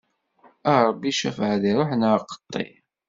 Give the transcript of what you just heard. A Ṛebbi cafeɛ di ṛṛuḥ neɣ qeṭṭi!